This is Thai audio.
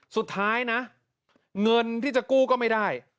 สุดท้ายนะเงินที่จะกู้ก็ไม่ได้